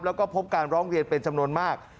แล้วก็พบการร้องเรียนเป็นจำนวนมาก